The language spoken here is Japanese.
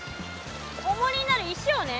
おもりになる石をね